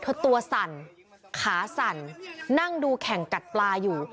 ตัวสั่นขาสั่นนั่งดูแข่งกัดปลาอยู่